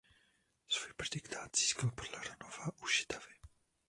Svůj predikát získal podle Ronova u Žitavy.